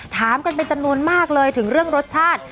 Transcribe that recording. ถามกันเป็นจำนวนมากเลยถึงเรื่องรสชาติ